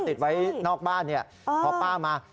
ติดไว้นอกบ้านเนี่ยพอป้ามา